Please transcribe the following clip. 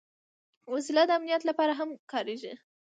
وسله د امنیت لپاره هم کارېږي